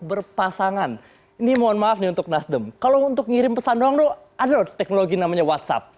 berpasangan ini mohon maaf nih untuk nasdem kalau untuk ngirim pesan dong ada teknologi namanya whatsapp